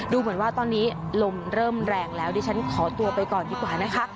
ดูเหมือนว่าตอนนี้ลมเริ่มแรงแล้วดิฉันขอตัวไปก่อนดีกว่านะคะ